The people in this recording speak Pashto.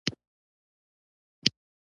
دوستي د رښتینولۍ نه بغیر دوام نه کوي.